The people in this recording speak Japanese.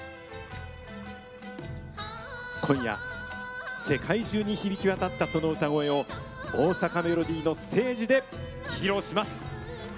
今夜、世界中に響き渡ったその歌声を「大阪メロディー」のステージで披露します。